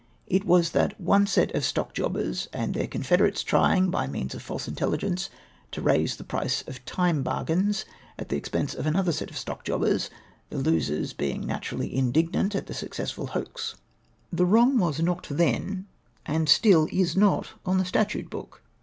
It Avas that of one set of stock jobbers and their confederates trying — by means of false intelligence — to raise the price of " time bargains''' at the expense of another set of stock jobbers, the losers being naturally indignant at the successful hoax. The Avrong was not then, and still is not, on the statute book.